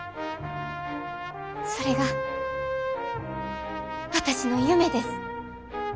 それが私の夢です。